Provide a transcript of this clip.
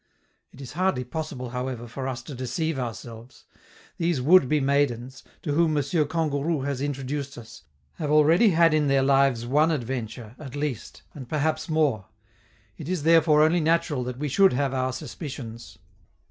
It is hardly possible, however, for us to deceive ourselves: these would be maidens, to whom M. Kangourou has introduced us, have already had in their lives one adventure, at least, and perhaps more; it is therefore only natural that we should have our suspicions.